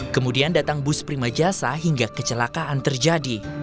kemudian datang bus prima jasa hingga kecelakaan terjadi